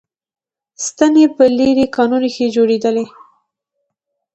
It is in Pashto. ستنې په لېرې کانونو کې جوړېدلې